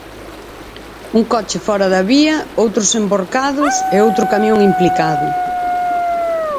Un coche fóra da vía, outros envorcados e outro camión implicado.